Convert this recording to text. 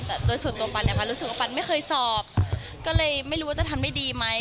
แต่โดยส่วนตัวปันเนี่ยปันรู้สึกว่าปันไม่เคยสอบก็เลยไม่รู้ว่าจะทำได้ดีไหม